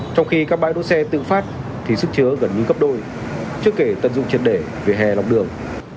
trong khi các bãi đỗ xe tự phát thì sức chứa gần như cấp đôi trước kể tận dụng triệt để vỉa hè lọc đường